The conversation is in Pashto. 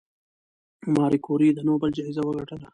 ماري کوري د نوبل جایزه وګټله؟